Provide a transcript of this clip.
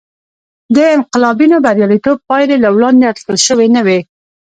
د انقلابینو بریالیتوب پایلې له وړاندې اټکل شوې نه وې.